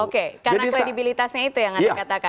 karena kredibilitasnya itu yang anda katakan